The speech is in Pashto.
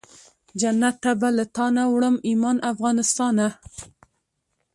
جنت ته به له تانه وړم ایمان افغانستانه